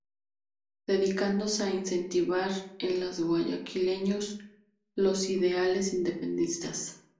Dedicándose a incentivar en los guayaquileños los ideales independentistas.